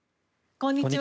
こんにちは。